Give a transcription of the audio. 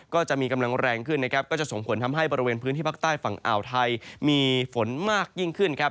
ก็จะมีกำลังแรงขึ้นนะครับก็จะส่งผลทำให้บริเวณพื้นที่ภาคใต้ฝั่งอ่าวไทยมีฝนมากยิ่งขึ้นครับ